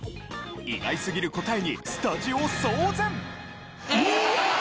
意外すぎる答えにスタジオ騒然。